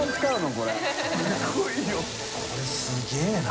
これすげぇな。